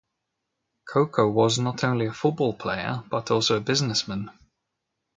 Coco was not only a football player but also a businessman.